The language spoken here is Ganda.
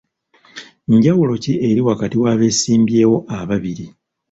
Njawulo ki eriwo wakati w'abeesimbyewo ababiri?